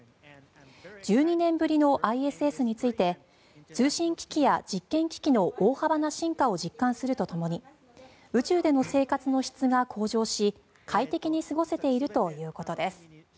１２年ぶりのＩＳＳについて通信機器や実験機器の大幅な進化を実感するとともに宇宙での生活の質が向上し快適に過ごせているということです。